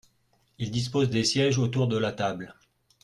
Ils disposent des sièges autour de la table.